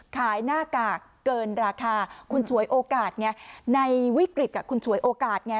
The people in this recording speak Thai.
หน้ากากเกินราคาคุณฉวยโอกาสไงในวิกฤตคุณฉวยโอกาสไง